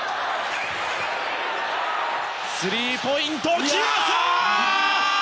スリーポイント決まった！